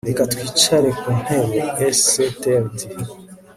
Reka twicare ku ntebe sctld